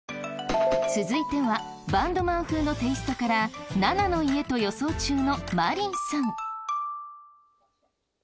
続いてはバンドマン風のテイストから「ＮＡＮＡ」の家と予想中のまりんさん。